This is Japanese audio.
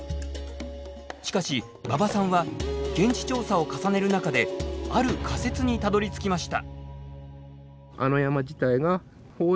しかし馬場さんは現地調査を重ねる中である仮説にたどりつきました。